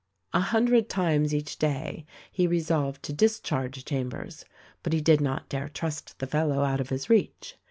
A hundred times each day he resolved to discharge Cham bers ; but he did not dare trust the fellow out of his reach.